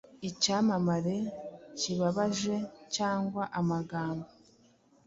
icyamamare, kibabaje, cyangwa amagambo .